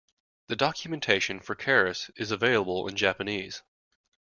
The documentation for Keras is available in Japanese.